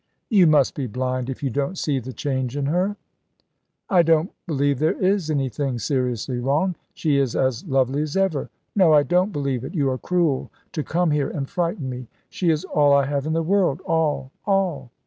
"You must be blind if you don't see the change in her." "I don't believe there is anything seriously wrong. She is as lovely as ever. No, I don't believe it. You are cruel to come here and frighten me. She is all I have in the world, all, all!